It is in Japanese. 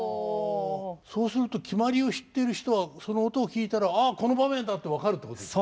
そうすると決まりを知っている人はその音を聴いたら「あっこの場面だ」って分かるってことですか？